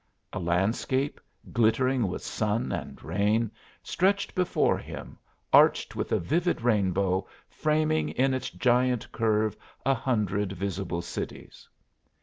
A landscape, glittering with sun and rain, stretched before him, arched with a vivid rainbow framing in its giant curve a hundred visible cities.